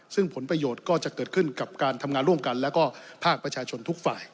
ซึ่งผลประโยชน์ก็จะเกิดขึ้นกับการทำงานร่วมกันแล้วก็ภาคประชาชนทุกฝ่าย